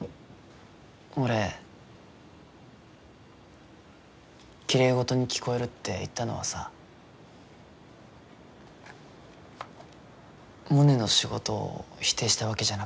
俺きれいごどに聞こえるって言ったのはさモネの仕事を否定したわけじゃなくて。